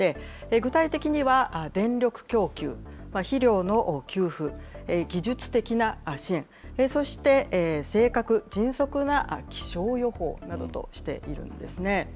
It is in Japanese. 具体的には電力供給、肥料の給付、技術的な支援、そして正確・迅速な気象予報などとしているんですね。